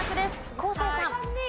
昴生さん。